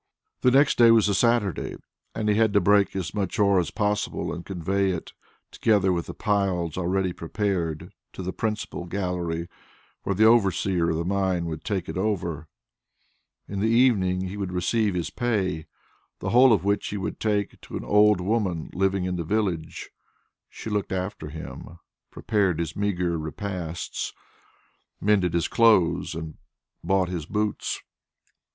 The next day was a Saturday, and he had to break as much ore possible and convey it, together with the piles already prepared, to the principal gallery, where the overseer of the mine would take it over. In the evening he would receive his pay, the whole of which he would take to an old woman living in the village. She looked after him, prepared his meagre repasts, mended his clothes, and bought his boots.